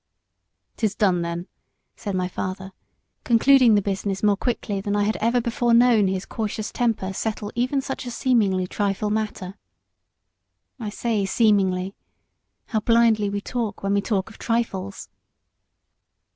"'Tis done then," said my father, concluding the business more quickly than I had ever before known his cautious temper settle even such a seemingly trifling matter. I say SEEMINGLY. How blindly we talk when we talk of "trifles."